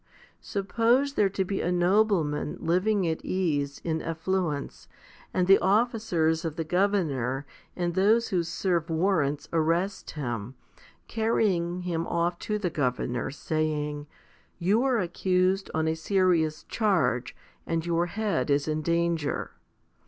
Suppose there to be a nobleman living at ease in affluence, and the officers of the governor and those who serve warrants arrest him, carrying him off to the governor, saying, " You are accused on a serious charge, and your head is in danger."